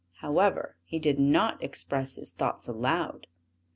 However, he did not express his thoughts aloud.